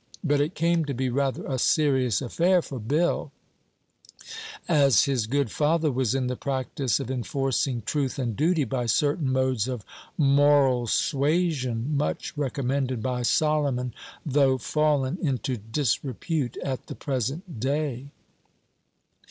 But it came to be rather a serious affair for Bill, as his good father was in the practice of enforcing truth and duty by certain modes of moral suasion much recommended by Solomon, though fallen into disrepute at the present day.